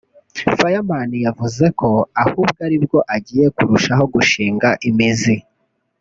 Fireman yavuze ko ahubwo ari bwo agiye kurushaho gushinga imizi